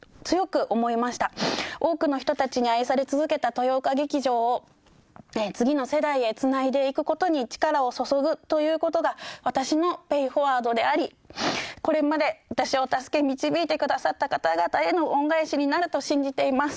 多くの人たちに愛され続けた豊岡劇場を次の世代へつないでいくことに力を注ぐということが私のペイ・フォワードでありこれまで私を助け導いてくださった方々への恩返しになると信じています。